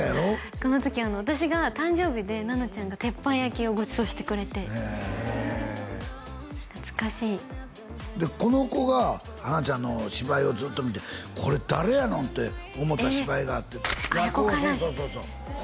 この時あの私が誕生日で菜奈ちゃんが鉄板焼きをごちそうしてくれてへえへえ懐かしいでこの子が花ちゃんの芝居をずっと見てこれ誰やの！？って思うた芝居があってあっ「夜行観覧車」「夜行」そうそうそうそう